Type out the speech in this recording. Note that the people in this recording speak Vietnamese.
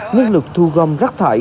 nhưng lực thu gom rác thải